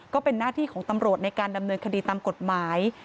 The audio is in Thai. ก็เป็นหน้าที่ของตำรวจในการดำเนินคดีตามกฎหมาย